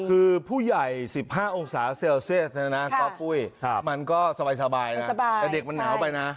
คือผู้ใหญ่๑๕องศาเซลเซียสนะนะมันก็สบายนะแต่เด็กมันหนาวไปนะ